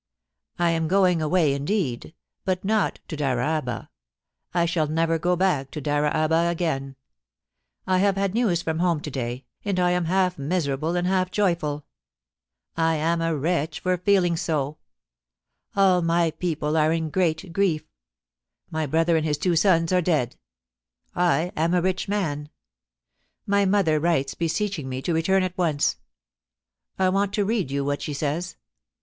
I am going away indeed, but not to Dyraaba. I shall never go back to Dyraaba agaia I have had news fiom home to day, and I am half miserable and half joyfuL I am a wretch for feeling sa All my people are in great griet My brother and his two sons are dead I am a rich man. My mother writes beseeching me to return at once I want to read you what she says.